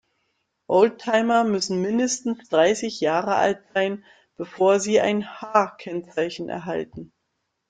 Oldtimer müssen mindestens dreißig Jahre alt sein, bevor sie ein H-Kennzeichen erhalten.